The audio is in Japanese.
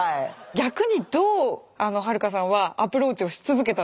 逆にどうはるかさんはアプローチをし続けたんですか？